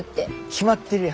決まってるやん。